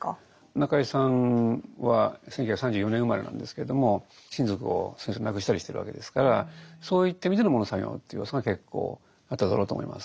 中井さんは１９３４年生まれなんですけれども親族を戦争で亡くしたりしてるわけですからそういった意味での「喪の作業」という要素が結構あっただろうと思います。